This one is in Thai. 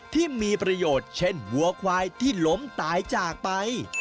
ที่มีประโยชน์เช่นวัวควายที่ล้มตายจากไป